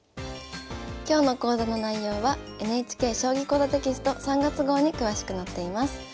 今日の講座の内容はＮＨＫ「将棋講座」テキスト３月号に詳しく載っています。